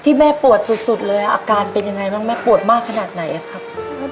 แม่ปวดสุดเลยอาการเป็นยังไงบ้างแม่ปวดมากขนาดไหนครับ